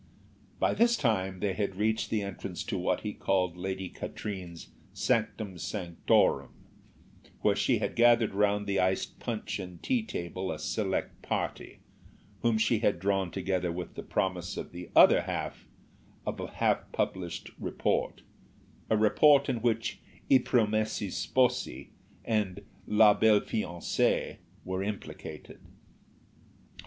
By this time they had reached the entrance to what he called Lady Katrine's sanctum sanctorum, where she had gathered round the iced punch and tea table a select party, whom she had drawn together with the promise of the other half of a half published report, a report in which "I promessi Sposi" and "La belle fiancée" were implicated!